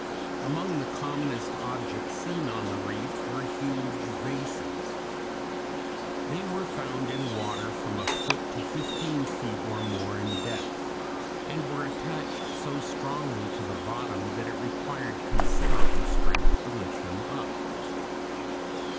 Among the commonest objects seen on the reef were huge vases (Fig. 13). They were found in water from a foot to fifteen feet or more in depth, and were attached so strongly to the bottom that it required considerable strength to lift them up.